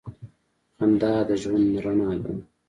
• خندا د ژوند رڼا ده.